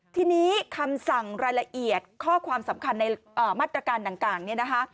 ทีนี้คำสั่งรายละเอียดข้อความสำคัญในมาตรการต่างเนี่ยนะคะ